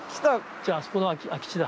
じゃああそこの空き地だ。